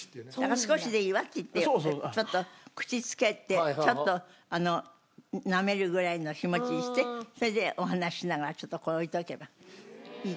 少しでいいわって言ってちょっと口つけてちょっとなめるぐらいの気持ちしてそれでお話ししながらちょっと置いておけばいいじゃない？